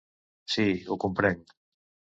Sí, ho comprenc.